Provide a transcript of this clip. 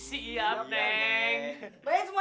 satu dua tiga